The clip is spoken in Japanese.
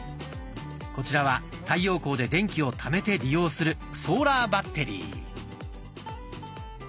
こちらは太陽光で電気をためて利用するソーラーバッテリー。